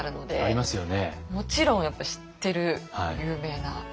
もちろんやっぱ知ってる有名な。